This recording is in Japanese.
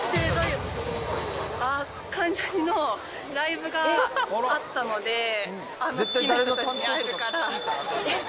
あっ、関ジャニのライブがあったので、好きな人たちに会えるから。